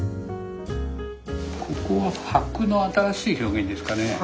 ここは箔の新しい表現ですかね。